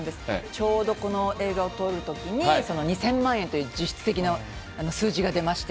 ちょうどこの映画を撮るときに、２０００万円という実質的な数字が出まして。